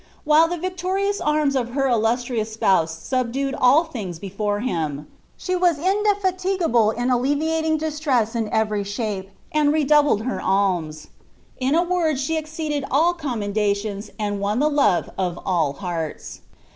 While the victorious arms of her illustrious spouse subdued an things before him, she was indefatigable in alleviating distress in every shape, and redoubled her alms. In a word, she exceeded all com mendations, and won the love of all hearts."